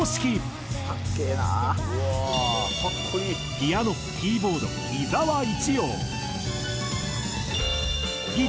ピアノキーボード伊澤一葉。